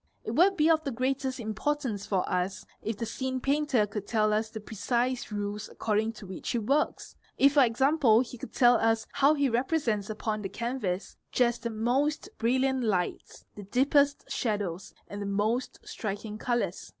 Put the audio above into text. It would — be of the greatest importance for us if the scene painter could tell us the — precise rules according to which he works, if for example he could tell — us how he represents upon the canvass just the most brilliant lights, the deepest shadows, and the most striking colours.